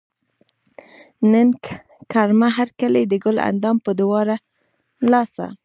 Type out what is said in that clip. نن کړمه هر کلے د ګل اندام پۀ دواړه لاسه